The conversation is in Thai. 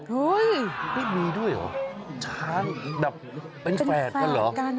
เห้ยไม่มีด้วยเหรอแบบเป็นแฝดก็เหรอ